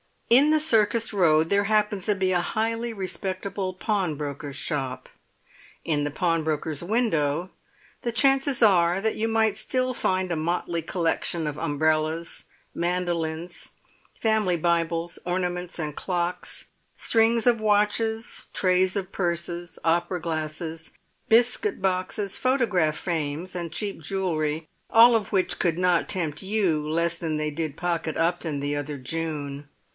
In the Circus Road there happens to be a highly respectable pawnbroker's shop; in the pawnbroker's window the chances are that you might still find a motley collection of umbrellas, mandolines, family Bibles, ornaments and clocks, strings of watches, trays of purses, opera glasses, biscuit boxes, photograph frames and cheap jewellery, all of which could not tempt you less than they did Pocket Upton the other June.